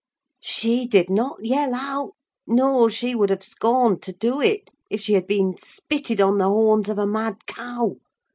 She did not yell out—no! she would have scorned to do it, if she had been spitted on the horns of a mad cow.